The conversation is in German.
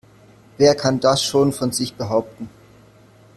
Wer kann das schon von sich behaupten?